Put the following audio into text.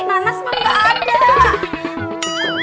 namas mah nggak ada